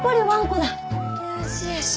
よーしよし。